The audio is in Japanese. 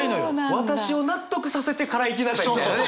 私を納得させてから行きなさいみたいなね！